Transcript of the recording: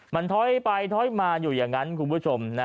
มันถอยไปถอยมาอยู่อย่างนั้นคุณผู้ชม